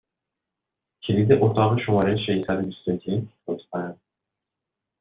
کلید اتاق شماره ششصد و بیست و یک، لطفا!